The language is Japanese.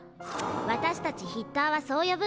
私たちヒッターはそう呼ぶんです！